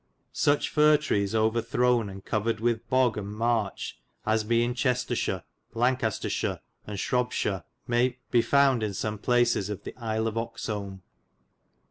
Suche firre trees overthrowne and coverid with bogge and merche as be in Chestershire, Lancastershire and Shrobbe shire be found in some places of the Isle of Oxolme.